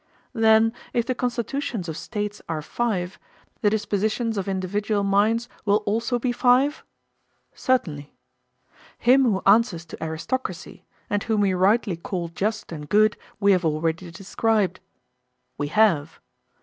Then if the constitutions of States are five, the dispositions of individual minds will also be five? Certainly. Him who answers to aristocracy, and whom we rightly call just and good, we have already described. We have.